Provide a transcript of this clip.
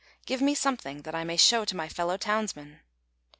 Give me something that I may show to my fellow townsmen."